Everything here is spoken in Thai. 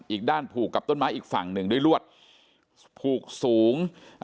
อีกด้านผูกกับต้นไม้อีกฝั่งหนึ่งด้วยลวดผูกสูง